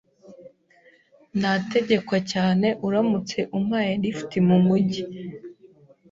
Nategekwa cyane uramutse umpaye lift mumujyi.